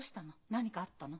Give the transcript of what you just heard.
何かあったの？